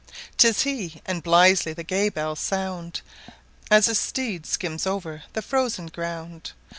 'Tis he and blithely the gay bells sound, As his steed skims over the frozen ground.